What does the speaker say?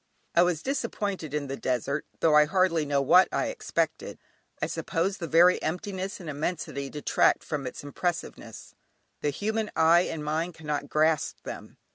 I was disappointed in the desert, though I hardly know what I expected; I suppose the very emptiness and immensity detract from its impressiveness; the human eye and mind cannot grasp them.